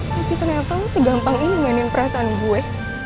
tapi ternyata lo segampang ini mainin perasaan gue